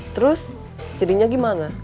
terus jadinya gimana